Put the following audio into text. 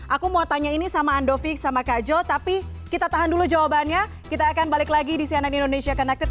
aku mau tanya ini sama andovic sama kak jo tapi kita tahan dulu jawabannya kita akan balik lagi di cnn indonesia connected